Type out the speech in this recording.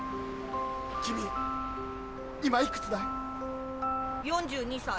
君今いくつだい？